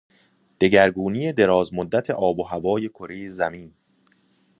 دگرگونی درازمدت آب و هوای کرهی زمین